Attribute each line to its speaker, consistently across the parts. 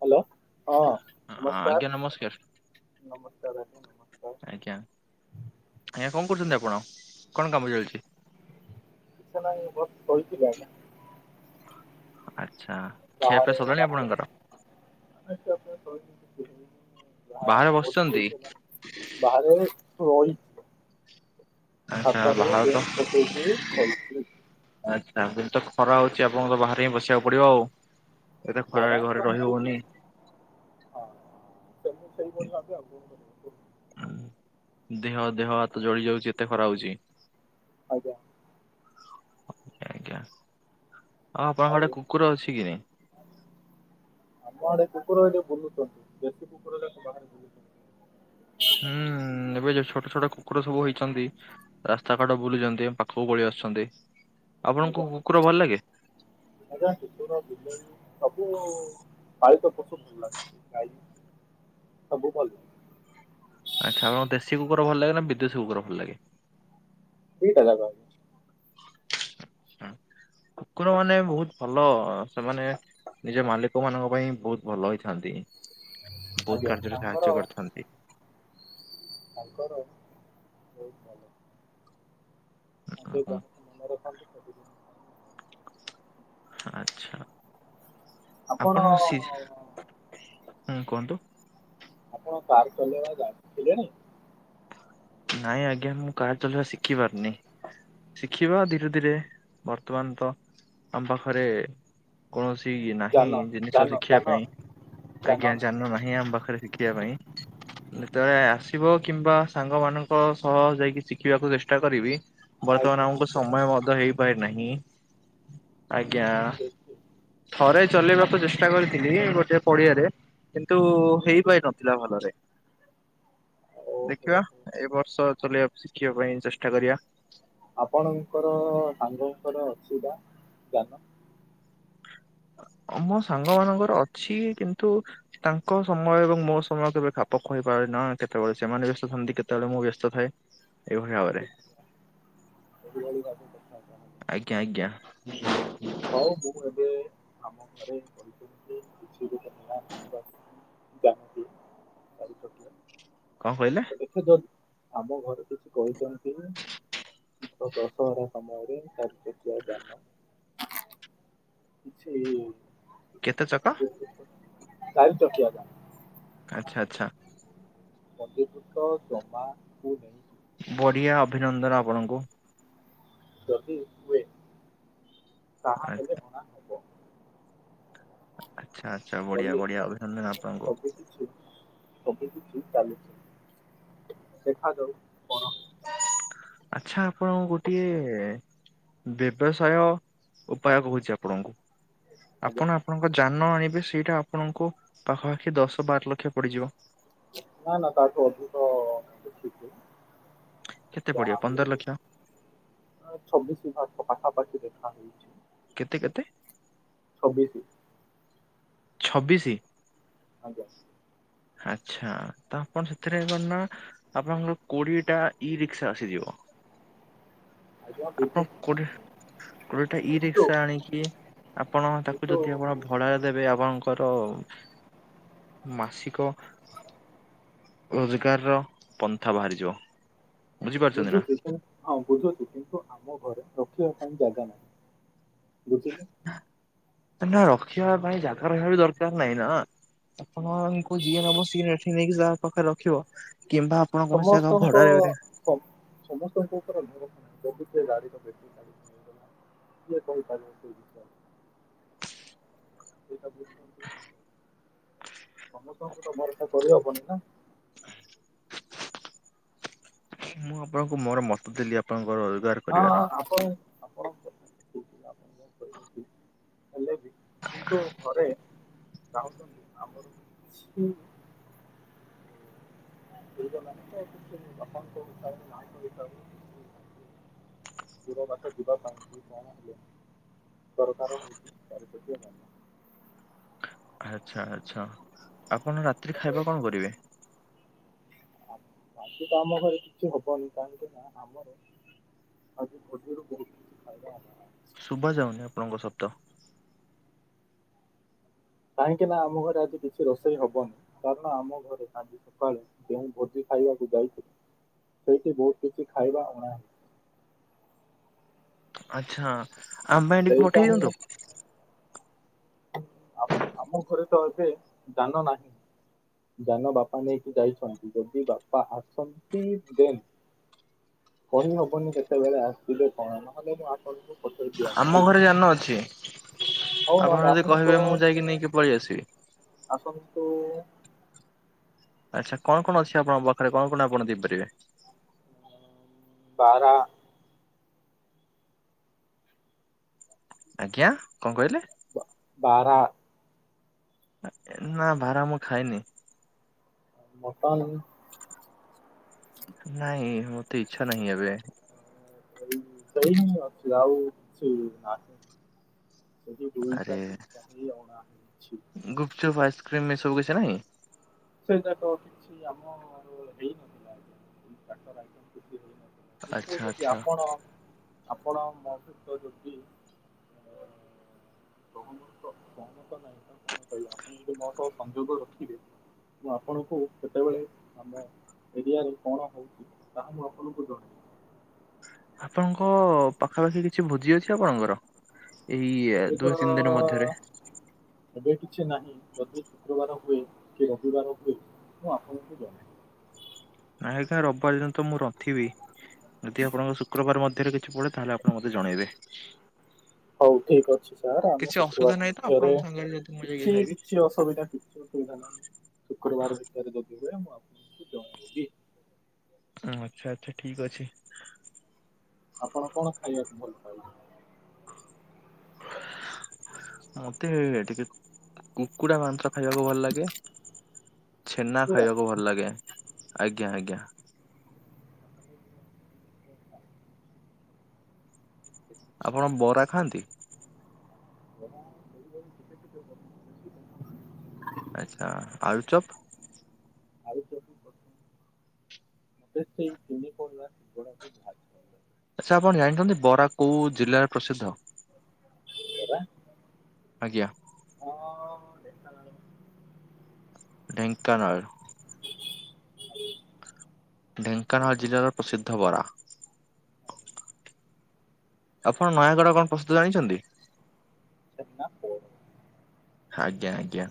Speaker 1: Hello.
Speaker 2: ଆ- ଆଜ୍ଞା ନମସ୍କାର
Speaker 1: ନମସ୍କାର
Speaker 2: ଆଜ୍ଞା ଆଜ୍ଞା କଣ କରୁଛନ୍ତି ଆପଣ। କଣ କାମ ଚାଲିଛି?
Speaker 1: ନାହିଁ ବ କହିିଥିଲେ ଆଜ୍ଞା।
Speaker 2: ଆଚ୍ଛା। ଖିଆପିଆ
Speaker 1: ବାହାରେ
Speaker 2: ସରିଲାଣି
Speaker 1: ବାହାରେ
Speaker 2: ଆପଣଙ୍କର
Speaker 1: [unintelligible]
Speaker 2: ବାହାରେ ବସଛନ୍ତି?
Speaker 1: ହେଇଥିଲା ବାହାରେ ର [unintelligible]
Speaker 2: ଆଚ୍ଛା
Speaker 1: ଛାତରେ
Speaker 2: ବାହାରେ ତ
Speaker 1: ବେଞ୍ଚ ପକେଇକ କରିଛି।
Speaker 2: ଆଚ୍ଛା ଏି ତ ଖରା ହଉଛି ଆପଣଙ୍କୁ ତ ବାହାରେ ହିଁ ବସିବାକୁ ପଡିବ ଆଉ। ଏତେ
Speaker 1: ଖରା
Speaker 2: ଖରାରେ ଘରେ
Speaker 1: ତ ଏମିତି
Speaker 2: ରହିିହୋଉନି।
Speaker 1: କିଛି ହଁ ସେ ମୁଁ ସେଇପ ସା ଆଉ କଣ [unintelligible]
Speaker 2: ହୁଁ। ଦେହ ଦେହ ହାତ ଜଳି ଯାଉଛି ଏତେ ଖରା ହଉଛି।
Speaker 1: ଆଜ୍ଞା।
Speaker 2: ଆଜ୍ଞା ଆଉ
Speaker 1: ଆଉ
Speaker 2: ଆପଣଙ୍କଆଡେ କୁକୁର ଅଛି କି ନାଇଁ?
Speaker 1: ଆମ ଆଡେ କୁକୁର ଏଠେ ବୁଲୁଛନ୍ତି ଦେଶୀ କୁକୁରଟାକୁ ବାହାରେ ବୁଲୁଛନ୍ତି।
Speaker 2: ହୁଁ ଏବେ ଯୋଉ ଛୋଟ ଛୋଟ କୁକୁର ସବୁ ହେଇଛନ୍ତି। ରାସ୍ତା କାଟ ବୁଲିଛନ୍ତି ଆମ ପାଖକୁ ପଳେଇ ଆସୁଛନ୍ତି। ଆପଣଙ୍କୁ
Speaker 1: ଆଜ୍ଞା
Speaker 2: କୁକୁର
Speaker 1: ଆଜ୍ଞା
Speaker 2: ଭଲ ଲାଗେ
Speaker 1: ଆଜ୍ଞା କୁକୁର ବିଲେଇ ସ ବୁ କାଇ ତ କସ ଭଲ ଲାଈ ଭୁଲ [unintelligible]
Speaker 2: ଆଚ୍ଛା ଆପଣ ଦେଶୀ କୁକୁର ଭଲ ଲାଗେ ନା ବିଦେଶୀ କୁକୁର ଭଲ ଲାଗେ?
Speaker 1: ଦିଟାଯାକ।
Speaker 2: ହୁଁ କୁକୁର ମାନେ ବହୁତ ଭଲ ସେମାନେ ନିଜ ମାଲିକ ମାନଙ୍କ ପାଇଁ ବହୁତ ଭଲ ହେଇଥାନ୍ତି ବହୁତ
Speaker 1: ଆଜ୍ଞା ଆଜ୍ଞା
Speaker 2: କାର୍ଯ୍ୟରେ
Speaker 1: ତାଙ୍କର
Speaker 2: ସାହାଯ୍ୟ କରିଥାନ୍ତି।
Speaker 1: ତାଙ୍କର ବହୁତ ଭଲ। ଆ ମୁ
Speaker 2: ଓହୋ,
Speaker 1: [unintelligible]
Speaker 2: ଆଛା ଆପଣ ସିଜ୍। ହୁଁ କୁହନ୍ତୁ।
Speaker 1: ଆପଣ କାର୍ ଚଲେଇବା ଜାଣିସାରିଲେଣି?
Speaker 2: ନାଇଁ ଆଜ୍ଞା, ମୁଁ କାର ଚଲେୟା ଶିଖି ପାରୁନି। ଶିଖିବ ଧୀରେ ଧୀରେ ବର୍ତ୍ତମାନ ତ, ଆମ ପାଖରେ କୌଣସି ନାହିଁ
Speaker 1: ଯାନ
Speaker 2: ଜିନିଷ
Speaker 1: ଯାନ
Speaker 2: ଶିଖିବା
Speaker 1: ଯାନ
Speaker 2: ପାଇଁ। ଆଜ୍ଞା, ଯାନ ନାହିଁ ଆମ ପାଖରେ ଶିଖ୍ ଖିଆ ପାଇଁ, ଯେତେବେଳେ ଆସିବ କିମ୍ବା ସାଙ୍ଗ ମାନଙ୍କ ସହ ଯାଇକି ଶିଖିବାକୁ ଚେଷ୍ଟା କରିବି।
Speaker 1: ଆଜ୍ଞା
Speaker 2: ବର୍ତ୍ତମାନ ଆମକୁ
Speaker 1: ଆଜ୍ଞା
Speaker 2: ସମୟ ମଧ୍ୟ ହେଇ ପାରି ନାହିଁ। ଆଜ୍ଞା,
Speaker 1: ଠିକ ଠିକ
Speaker 2: ଥରେ ଚଲେଇବାକୁ
Speaker 1: ଆମ୍-
Speaker 2: ଚେଷ୍ଟା କରିଥିଲି। ଗୋଟେ ପଡିଆରେ, କିନ୍ତୁ
Speaker 1: ଆଜ୍ଞା
Speaker 2: ହେଇପାରି ନଥିଲା ଭଲରେ।
Speaker 1: ଓହୋ ହୋ,
Speaker 2: ଦେଖିବା
Speaker 1: ହୋ।
Speaker 2: ଏ ବର୍ଷ ଚଲେଇଆ ଶିଖିବା ପାଇଁ ଚେଷ୍ଟା କରିଆ।
Speaker 1: ଆପଣଙ୍କର ସାଙ୍ଗଙ୍କର ଅଛି ବା ଯାନ।
Speaker 2: ମୋ ସାଙ୍ଗ ମାନଙ୍କର ଅଛି, କିନ୍ତୁ ତାଙ୍କ ସମୟ ଏବଂ ମୋ ସମୟ କେବେ ଖାପ ଖୁଆଇପାରେ ନା। କେତେବେଳେ ସେମାନେ ବ୍ୟସ୍ତ ଥାନ୍ତି, କେତେବେଳେ ମୁଁ ବ୍ୟସ୍ତ ଥାଏ? ଏଇଭଳି [unintelligible] ବରେ
Speaker 1: ଆଜ୍ଞା, ଆଜ୍ଞା। ଏହିଭଳି ଭାବେ କଥା ତାହେଲେ।
Speaker 2: ଆଜ୍ଞା, ଆଜ୍ଞା।
Speaker 1: ହଉ, ମୁଁ ଏବେ ଆମ ଘରେ କହିଛନ୍ତି କିଛି ବି [unintelligible] ଆଣିବା [unintelligible] ଯାହାବି ଚାରି ପଟିଆ।
Speaker 2: କଣ କହିଲେ?
Speaker 1: ଏଠେ ଯଦ୍, ଆମ ଘରେ କିଛି କହିଚନ୍ତି ଠିକ ଦଶହରା ସମୟରେ ଚାରି ଚକିଆ ଯାନ କିଛି-ଇ
Speaker 2: କେତେ ଚକ?
Speaker 1: ଚାରି ଚକିଆ ଯାନ।
Speaker 2: ଆଚ୍ଛା, ଚ୍ଛା, ଚ୍ଛା।
Speaker 1: ପଣ୍ଡିତୁତ ଜମାକୁୁ ନେଇ
Speaker 2: ବଢିଆ ଅଭିନନ୍ଦନ ଆପଣଙ୍କୁ।
Speaker 1: ଯଦି ହୁଏ। ତାହା
Speaker 2: ଆ
Speaker 1: ହେଲେ
Speaker 2: [unintelligible]
Speaker 1: ଅଣା ହେବ
Speaker 2: ଆଚ୍ଛା, ଆଚ୍ଛା, ବଢିଆ ବଢିଆ ଅଭିନନ୍ଦନ ଆପଣଙ୍କୁ।
Speaker 1: ସୁ ସବୁ କିଛି ଚାଲିଛି। ଦେଖାଯାଉ କଣ ହେଉଛି
Speaker 2: ଆଛା, ଆପଣଙ୍କୁ ଗୋଟିଏ ବ୍ୟବସାୟ ଉପାୟ କହୁଛି ଆପଣଙ୍କୁ।
Speaker 1: ଆଜ୍ଞା
Speaker 2: ଆପଣ ଆପଣଙ୍କ ଯାନ ଆଣିବେ, ସେଇଟା ଆପଣଙ୍କୁ ପାଖାପାଖି ଦଶ ବାର ଲକ୍ଷ ପଡିଯିବ।
Speaker 1: ନା, ନା, ତାଠୁ ଅଧିକ ଦେଖିଚି।
Speaker 2: କେତେ ପଡିବ
Speaker 1: ଯାହା
Speaker 2: ପନ୍ଦର
Speaker 1: ହେଲେବି,
Speaker 2: ଲକ୍ଷ
Speaker 1: ଆଁ ଛବିଶି ପାଖ ପାଖାପାଖି ଦେଖା ହେଇଚି।
Speaker 2: କେତେ କେତେ?
Speaker 1: ଛବିଶି।
Speaker 2: ଛବିଶି।
Speaker 1: ଆଜ୍ଞା।
Speaker 2: ଆଚ୍ଛା, ତ ଆପଣ ସେଥିରେ କଣ ନା ଆପଣଙ୍କର କୋଡିଏଟା ଇ ରିକ୍ସ ଆସିଯିବ।
Speaker 1: ଆଜ୍ଞା
Speaker 2: ଆପଣ
Speaker 1: ବୁଝୁଛି।
Speaker 2: କୋଡିଏ କୋଡିଏଟା ଇ
Speaker 1: କିନ୍ତୁ
Speaker 2: ରିକ୍ସା ଆଣିକି, ଆପଣ ତାକୁ
Speaker 1: କିନ୍ତୁ
Speaker 2: ଯଦି ଆପଣ ଭଡାରେ ଦେବେ, ଆପଣଙ୍କ୍ ଙ୍କର ମାସିକ ରୋଜଗାରର ପନ୍ଥା ବାହାରିଯିବ। ବୁଝିପାରୁଛନ୍ତି ନା
Speaker 1: ବୁଝୁଛି କିନ୍ତ ହଁ, ବୁଝୁଛି କିନ୍ତୁ ଆମ ଘରେ ରଖିବା ପାଇଁ ଜାଗା ନାହିଁ। ବୁଝିଲ
Speaker 2: ନା ରଖିବା ପାଇଁ ଜାଗା ରହିବା ବି ଦରକାର ନାହିଁ ନା। ଆପଣଙ୍କୁ ଯିଏ ନବ, ସିଏ ଏଠି ନେଇକି ଯା ପାଖରେ ରଖିବ କିମ୍ବା, ଆପଣ କୌଣସି ଜାଗା ଭଡାରେ ବେେ
Speaker 1: ହଁ ସମସ୍ତଙ୍କ ଉପରେ ନରଖ ଯଦି ସେ ଗାଡିର ବେଗ [unintelligible] କିଏ କହିପାରିବ କି? ସେଇଟା ବୁଝୁଛନ୍ତି ନା?
Speaker 2: [inaudible]
Speaker 1: ସମସ୍ତଙ୍କୁ ତ ଭରସା କରିହବନି ନା?
Speaker 2: [inaudible] ମୁଁ ଆପଣଙ୍କୁ ମୋର ମତ ଦେଲି ଆପଣଙ୍କ ରୋଜଗାର,
Speaker 1: ହଁ
Speaker 2: କରିବାର
Speaker 1: ହଁ ଆପଣ ଆପଣ ଙ୍କ କିସ ହେଲେ ବି। କିନ୍ତୁ ଘରେ ଚାହୁଁଛନ୍ତି ଆମର କିଛି ବି, [unintelligible] ଯିବାବାଟ ଯିବା ପାଇଁ କଣ ହବ ଦରକାର ହଉଛି ଚାରିପଟେ ନାହିଁ।
Speaker 2: ଆଚ୍ଛା ଆଚ୍ଛା ଆପଣ ରାତିରେ ଖାଇବା କଣ କରିବେ?
Speaker 1: ବାକି ତ ଆମ ଘରେ କିଛି ହବନି କାହିଁକି ନା ଆମର, ଆଜି ଭୋଜି ରୁ ବହୁତ ଫାଇଦା ହେଲା।
Speaker 2: ଶୁଭା ଯାଉନି ଆପଣଙ୍କ ଶବ୍ଦ
Speaker 1: କାହିଁକି ନା ଆମ ଘରେ ଆଜି କିଛି ରୋଷେଇ ହବନି। କାରଣ ଆମ ଘରେ ଆଜି, ସକାଳେ ଯେଉଁ ଭୋଜି ଖାଇବାକୁ ଯାଇଥିଲେ ସେଇଠି ବହୁତ କିଛି ଖାଇବା ଅଣା [unintelligible]
Speaker 2: ଆଚ୍ଛା, ଆମ ପାଇଁ ଟିକେ
Speaker 1: ସେଇଟା
Speaker 2: ପଠେଇ
Speaker 1: ହିଁ
Speaker 2: ଦିଅନ୍ତୁ।
Speaker 1: ଆମ ଘରେ ତ ଏବେ ଜାନ ନାହିଁ। ଯାନ ବାପା ନେଇକି ଯାଇଛନ୍ତି। ଯଦି ବାପା ଆସନ୍ତି ଦେନ୍, କହି ହବନି କେତେବେଳେ ଆସିବେ କଣ, ନହେଲେ ମୁୁ ଆସନ୍ତୁ।
Speaker 2: ଆମ ଘରେ ଯାନ ଅଛି,
Speaker 1: ହଉ
Speaker 2: ଆପଣ
Speaker 1: ନହେଲେ
Speaker 2: ଯଦି
Speaker 1: ଆସନ୍ତୁ
Speaker 2: କହିବେ ମୁଁ ଯାଇକି ନେଇକି ପଳେଇ ଆସିବି।
Speaker 1: ଆସନ୍ତୁ
Speaker 2: ଆଚ୍ଛା କଣ କଣ ଅଛି ଆପଣଙ୍କ ପାଖରେ, କଣ କଣ ଆପଣ ଦେଇପାରିବେ।
Speaker 1: ବାରା,
Speaker 2: ଆଜ୍ଞା, କଣ କହିଲେ।
Speaker 1: ବାରା।
Speaker 2: ନା ଭାରା ମୁଁ ଖାଇନି,
Speaker 1: ମୋଟନ୍,
Speaker 2: ନାଇଁ, ମତେ ଇଚ୍ଛା ନାହିଁ ଏବେ।
Speaker 1: ସେଇ ସେଇଁ ଅଛି ଆଉ କିଛି ନା
Speaker 2: ଆରେ
Speaker 1: ହିଁ ଅଣା ହେଇଛି।
Speaker 2: ଗୁପ୍ ଚୁପ୍ ଆଇସ୍କ୍ରିମ ଏସବୁ କିଛି ନହିଁ?
Speaker 1: ସେ ଯାକ କିଛି ଆମ ହେଇନଥିଲା [unintelligible] ହେଇନ କିନ୍ତୁ
Speaker 2: ଆଚ୍ଛା
Speaker 1: ଯଦି
Speaker 2: ଆଚ୍ଛା
Speaker 1: ଆପଣ ଆପଣ ମ ସହିତ ଯଦି, କଣ ତ କଣ ତ ନହିଁ ତ କଣ କହିବେ ଆପଣ ଯଦି ମୋ ସହବ ସଂଯୋଗ ରଖିବେ। ମୁଁ ଆପଣଙ୍କୁ କେତେବେଳେ ଆମ ଏରିଆରେ କଣ ହେଉଛି ତାହା ମୁଁ ଆପଣଙ୍କୁ ଜଣାଇବି।
Speaker 2: ଆପଣଙ୍କ, ପାଖାପାଖି କିଛି ଭୋଜି ଅଛି ଆପଣଙ୍କର? ଏଇ
Speaker 1: ଏବେ ତ
Speaker 2: ଦୁଇ ତିନି ଦିନ ମଧ୍ୟରେ।
Speaker 1: ଏବେ କିଛି ନାହିଁ। ଯଦି ଶୁକ୍ରବାର ହୁଏ କି ରବିବାର ହୁଏ, ମୁଁ ଆପଣଙ୍କୁ ଜଣେ।
Speaker 2: ନାଇଁ ଆଇଖା ରବିବାର ଦିନ ତ ମୁଁ ରଥିବି ଯଦି ଆପଣଙ୍କ ଶୁକ୍ରବାର ମଧ୍ୟରେ କିଛି ପଡେ ତାହେଲେ ଆପଣ ମତେ ଜଣେଇବେ।
Speaker 1: ହଉ ଠିକ୍ ଅଛି ସାର୍ ଆମେ
Speaker 2: କିଛି ଅସୁବିଧା
Speaker 1: ଶୁକ୍ରବାର
Speaker 2: ନାହିଁ ତ
Speaker 1: ମଧ୍ୟରେ
Speaker 2: ଆପଣଙ୍କ ସାଙ୍ଗରେ ଯଦି ମୁଁ ଯାଇକି
Speaker 1: କିଛି
Speaker 2: ଖାଇବି?
Speaker 1: କିଛି ଅସୁବିଧା କିଛି ଅସୁବିଧା ନାହିଁ ଶୁକ୍ରବାର ଭିତରେ ଯଦି ହୁଏ ମୁଁ ଆପଣଙ୍କୁ ଜଣେଇବି।
Speaker 2: ଆଚ୍ଛା ଆଚ୍ଛା ଠିକ୍ ଅଛି।
Speaker 1: ଆପଣ କଣ ଖାଇବାକୁ ଭଲ ପାଇବେ?
Speaker 2: ମତେ ଏଇଆ ଟିକେ କୁକୁଡ଼ା ମାଂସ ଖାଇବାକୁ ଭଲ ଲାଗେ ଛେନା
Speaker 1: କୁକୁଡ଼ା
Speaker 2: ଖାଇବାକୁ ଭଲ ଲାଗେ। ଆଜ୍ଞା ଆଜ୍ଞା।
Speaker 1: ଠିକ୍ ଅଛି।
Speaker 2: ଆପଣ ବରା ଖାଆନ୍ତି?
Speaker 1: ତେ ଟିକେ
Speaker 2: ଆଚ୍ଛା ଆଳୁଚୁପ୍
Speaker 1: ଆଲୁଚୁପ୍ ସେ ଠିକ୍ ୟୁନିଫର୍ମର [unintelligible]
Speaker 2: ଆଚ୍ଛା ଆପଣ ଜାଣିଛନ୍ତି ବରା କୋଉ ଜିଲ୍ଲାରେ ପ୍ରସିଦ୍ଧ?
Speaker 1: ବରା
Speaker 2: ଆଜ୍ଞା।
Speaker 1: ହଁ ଢେଙ୍କାନାଳ
Speaker 2: ଢେଙ୍କାନାଳ
Speaker 1: ହ
Speaker 2: ଢେଙ୍କାନାଳ ଜିଲ୍ଲାରେ ପ୍ରସିଦ୍ଧ ବରା। ଆପଣ ନୟାଗଡ଼ କଣ ପ୍ରସିଦ୍ଧ ଜାଣିଛନ୍ତି?
Speaker 1: ଛେନାପୋଡ଼।
Speaker 2: ଆଜ୍ଞା ଆଜ୍ଞା,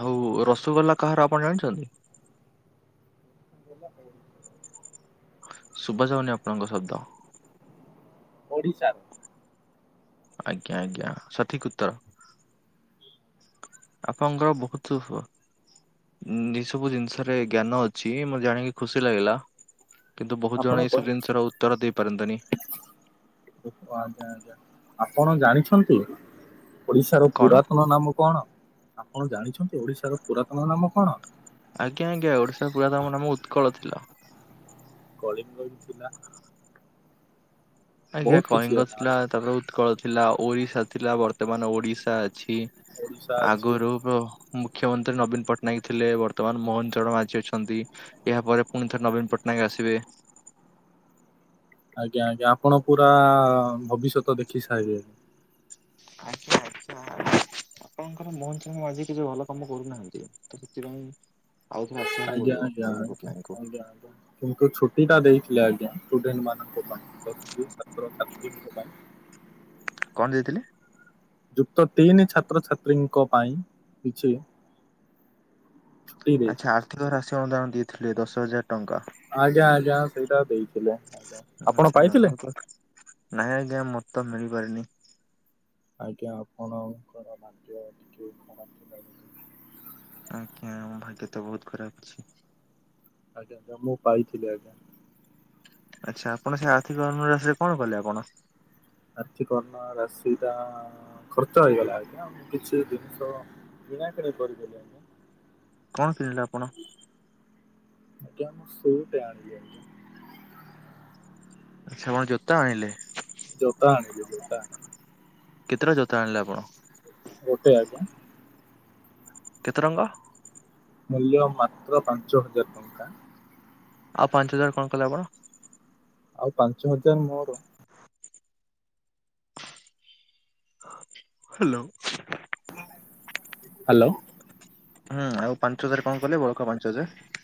Speaker 2: ଆଉ ରସଗୋଲା କାହାର ଆପଣ ଜାଣିଛନ୍ତି?
Speaker 1: ଛେନାପୋଡ଼
Speaker 2: ଶୁଭା ଯାଉନି ଆପଣଙ୍କ ଶବ୍ଦ।
Speaker 1: ଓଡ଼ିଶାର
Speaker 2: ଆଜ୍ଞା ଆଜ୍ଞା ସଠିକ୍ ଉତ୍ତର।
Speaker 1: ହ
Speaker 2: ଆପଣଙ୍କର ବହୁତୁ ସୁ ଉଁ ଏ ସବୁ ଜିନିଷରେ ଜ୍ଞାନ ଅଛି ମୁଁ ଜାଣିକି ଖୁସି ଲାଗିଲା। କିନ୍ତୁ ବହୁତ
Speaker 1: ଆପଣ
Speaker 2: ଜଣ ଏଇସବୁ
Speaker 1: କହିଲେ
Speaker 2: ଜିନିଷର ଉତ୍ତର ଦେଇପାରନ୍ତିନି।
Speaker 1: ଆଜ୍ଞା ଆଜ୍ଞା ଆପଣ ଜାଣିଛନ୍ତି ଓଡ଼ିଶାର
Speaker 2: କଣ?
Speaker 1: ପୁରାତନ ନାମ କଣ? ଆପଣ ଜାଣିଛନ୍ତି ଓଡ଼ିଶାର ପୁରାତନ ନାମ କଣ?
Speaker 2: ଆଜ୍ଞା ଆଜ୍ଞା ଓଡିଶାର ପୁରାତମ ନାମ ଉତ୍କଳ ଥିଲା।
Speaker 1: କଳିଙ୍ଗ ବି ଥିଲା।
Speaker 2: ଆଜ୍ଞା
Speaker 1: ବହୁତ କିଛି
Speaker 2: କଳିଙ୍ଗ
Speaker 1: ନାଁ
Speaker 2: ଥିଲା
Speaker 1: ଅଛି
Speaker 2: ତାପରେ ଉ ଉତ୍କଳ ଥିଲା ଓରିସା ଥିଲା ବର୍ତ୍ତମାନ ଓଡିଶା ଅଛି।
Speaker 1: ଓଡିଶା ଅଛି।
Speaker 2: ଆଗରୁହୁ ମୁଖ୍ୟମନ୍ତ୍ରୀ ନବୀନ ପଟ୍ଟନାୟକ ଥିଲେ ବର୍ତ୍ତମାନ ମୋହନ ଚରଣ ମାଝୀ ଅଛନ୍ତି। ଏହାପରେ ପୁଣି ଥରେ ନବୀନ ପଟ୍ଟନାୟକ ଆସିବେ।
Speaker 1: ଆଜ୍ଞା ଆଜ୍ଞା ଆପଣ ପୁରା ଭବିଷ୍ୟତ ଦେଖି ସାଇଲେଣି।
Speaker 2: ଆଜ୍ଞା ଆଜ୍ଞା। ଆପଣଙ୍କର ମୋହନ ଚରଣ ମାଝୀ କିଛି ଭଲ କାମ କରୁନାହାନ୍ତି ତ ସେଥିପାଇଁ ଆଉ ଥରେ ଆସି
Speaker 1: ଆଜ୍ଞା ଆଜ୍ଞା ଆଜ୍ଞା ଆଜ୍ଞା ଆଜ୍ଞା। କିନ୍ତୁ ଛୁଟିଟା ଦେଇଥିଲେ ଆଜ୍ଞା ଷ୍ଟୁଡେଣ୍ଟ ମାନଙ୍କ ପାଇଁ ପ୍ଲସ ଥ୍ରି ଛାତ୍ରଛାତ୍ରୀଙ୍କ ପାଇଁ
Speaker 2: କଣ ଦେଇଥିଲେ?
Speaker 1: ଯୁକ୍ତ ତିନି ଛାତ୍ରଛାତ୍ରୀଙ୍କ ପାଇଁ କିଛି ଛୁଟି
Speaker 2: ଆଚ୍ଛା
Speaker 1: ଦେଇଥିଲେ।
Speaker 2: ଆର୍ଥିକ ରାଶି ଅନୁଦାନ ଦେଇଥିଲେ ଦଶ ହଜାର ଟଙ୍କା।
Speaker 1: ଆଜ୍ଞା ଆଜ୍ଞା ସେଇଟା ଦେଇଥିଲେ। ଆଜ୍ଞା ଆପଣ
Speaker 2: ଆଚ୍ଛା
Speaker 1: ପାଇଥିଲେ?
Speaker 2: ମୁଁ ତ ନାଇଁ ଆଜ୍ଞା ମତ ତ ମିଳି ପାରିନି।
Speaker 1: ଆଜ୍ଞା ଆପଣଙ୍କର ଭାଗ୍ୟ ଟିକେ ଖରାପ୍ ଥିଲାରୁ
Speaker 2: ଆଜ୍ଞା ମୋ ଭାଗ୍ୟ ତ ବହୁତ ଖରାପ୍ ଅଛି।
Speaker 1: ଆଜ୍ଞା ନା ମୁଁ ପାଇଥିଲି ଆଜ୍ଞା।
Speaker 2: ଆଚ୍ଛା ଆପଣ ସେ ଆର୍ଥିକ ଅନୁରାଶିରେ କଣ କଲେ ଆପଣ?
Speaker 1: ଆର୍ଥିକ ଅନୁରାଶିଟା ଖର୍ଚ୍ଚ ହେଇଗଲା ଆଜ୍ଞା। ମୁଁ କିଛି ଜିନିଷ କିଣାକିଣି କରିଦେଲି ଆଜ୍ଞା।
Speaker 2: କଣ କିଣିଲେ ଆପଣ?
Speaker 1: ଆଜ୍ଞା ମୁଁ ସୁ ଟେ ଆଣିଲି।
Speaker 2: ଆଛା କଣ ଜୋତା ଆଣିଲେ?
Speaker 1: ଜୋତା ଆଣିଲି ଜୋତା ଆଣିଲି।
Speaker 2: କେତେଟା ଜୋତା ଆଣିଲେ ଆପଣ?
Speaker 1: ଗୋଟେ ଆଜ୍ଞା।
Speaker 2: କେତେ ରଙ୍ଗ?
Speaker 1: ମୂଲ୍ୟ ମାତ୍ର ପାଞ୍ଚ ହଜାର ଟଙ୍କା।
Speaker 2: ଆଉ ପାଞ୍ଚ ହଜାର କଣ କଲେ ଆପଣ?
Speaker 1: ଆଉ ପାଞ୍ଚ ହଜାର ମୋର।
Speaker 2: ହ୍ୟାଲୋ।
Speaker 1: ହ୍ୟାଲୋ।
Speaker 2: ହୁଁ। ଆଉ ପାଞ୍ଚ ହଜାର କଣ କଲେ ବଳକା ପାଞ୍ଚ ହଜାର?